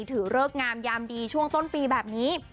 เริกงามยามดีช่วงต้นปีแบบนี้